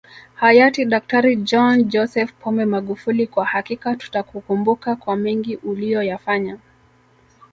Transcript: Hayati DkJohn Joseph Pombe Magufuli kwa hakika tutakukumbuka kwa mengi uliyoyafanya